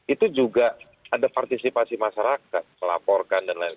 itu juga ada partisipasi masyarakat melaporkan dan lain lain